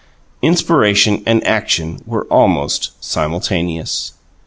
Inspiration and action were almost simultaneous.